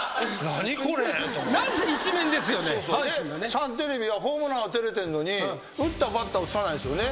サンテレビはホームラン打たれてんのに打ったバッターを映さないんですよね。